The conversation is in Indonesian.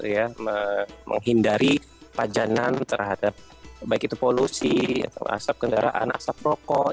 jadi kita harus menghindari pajanan terhadap baik itu polusi asap kendaraan asap rokok